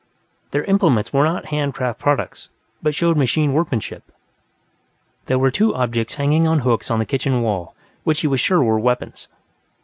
Their implements were not hand craft products, but showed machine workmanship. There were two objects hanging on hooks on the kitchen wall which he was sure were weapons.